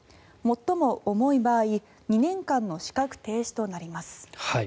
最も重い場合２年間の資格停止となります。